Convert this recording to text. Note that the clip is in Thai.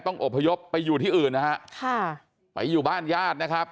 อบพยพไปอยู่ที่อื่นนะฮะค่ะไปอยู่บ้านญาตินะครับ